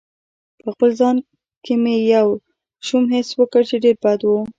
په خپل ځان کې مې یو شوم حس وکړ چې ډېر بد و.